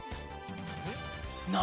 何？